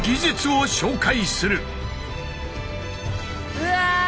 うわ！